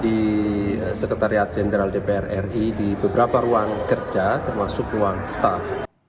di sekretariat jenderal dpr ri di beberapa ruang kerja termasuk ruang staff